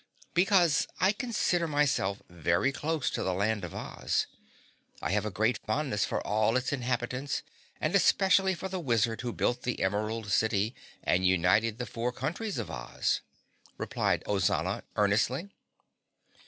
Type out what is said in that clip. "Because I consider myself very close to the Land of Oz. I have a great fondness for all its inhabitants and especially for the Wizard who built the Emerald City and united the four countries of Oz," replied Ozana earnestly.